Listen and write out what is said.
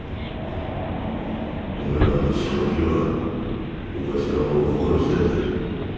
お前らの仕置きはお頭のお心次第だ。